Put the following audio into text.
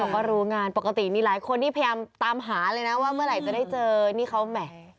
ก็รู้งานปกติมีหลายคนที่พยายามตามหาเลยนะว่าเมื่อไหร่จะได้เจอนี่เขาแหม